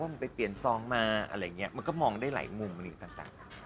ว่ามึงไปเปลี่ยนซองมามึงก็มองได้หลายมุมอีกต่าง